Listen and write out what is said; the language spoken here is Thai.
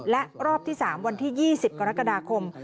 และรอบที่๓วันที่๒๐กรกฎาคม